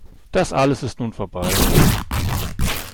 Das alles ist nun vorbei.